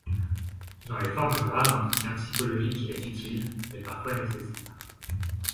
Dans les formes graves, un soutien psychologique est utile et parfois nécessaire.